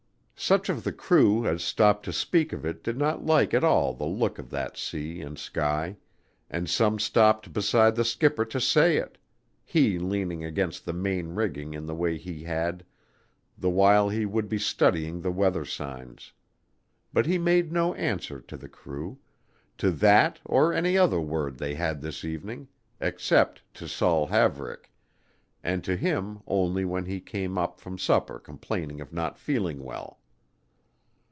Such of the crew as stopped to speak of it did not like at all the look of that sea and sky, and some stopped beside the skipper to say it, he leaning against the main rigging in the way he had the while he would be studying the weather signs; but he made no answer to the crew, to that or any other word they had this evening except to Saul Haverick, and to him only when he came up from supper complaining of not feeling well.